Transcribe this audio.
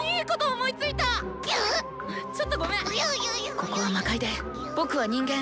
ここは魔界で僕は人間。